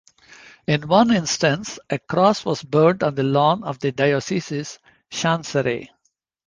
In one instance a cross was burned on the lawn of the diocese's chancery.